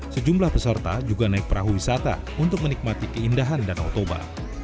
sejumlah peserta juga naik perahu wisata untuk menikmati keindahan danau toba